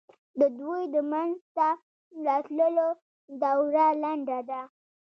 د دوی د منځته راتلو دوره لنډه ده.